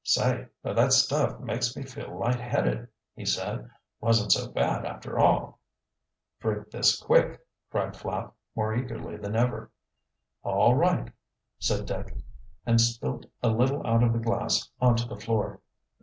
"Say, but that stuff makes me feel lightheaded," he said. "Wasn't so bad, after all." "Drink this, quick," cried Flapp, more eagerly than ever. "All right," said Dick, and spilt a little out of the glass onto the floor.